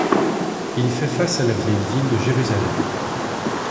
Il fait face à la Vieille Ville de Jérusalem.